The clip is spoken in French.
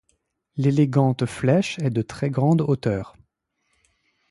L'élégante flèche est de très grande hauteur.